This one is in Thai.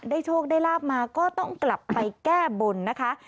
โชคได้ลาบมาก็ต้องกลับไปแก้บนนะคะ